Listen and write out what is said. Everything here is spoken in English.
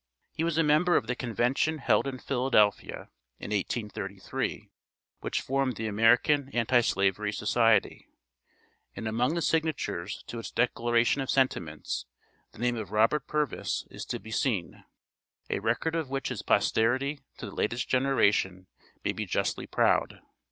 He was a member of the Convention held in Philadelphia in 1833, which formed the American Anti slavery Society; and among the signatures to its Declaration of Sentiments, the name of Robert Purvis is to be seen; a record of which his posterity to the latest generation may be justly proud.